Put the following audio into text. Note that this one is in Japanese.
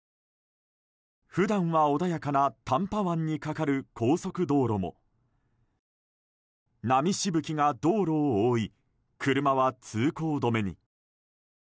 普段は穏やかなタンパ湾にかかる高速道路も波しぶきが道路を覆い車は通行止めに。